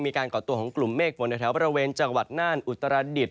ก่อตัวของกลุ่มเมฆฝนในแถวบริเวณจังหวัดน่านอุตรดิษฐ